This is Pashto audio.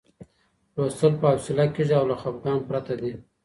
لوستل په حوصله کېږي او له خپګان پرته دی.